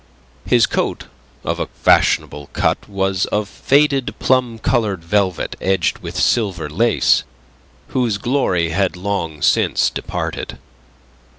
His coat of a fashionable cut was of faded plum coloured velvet edged with silver lace, whose glory had long since departed.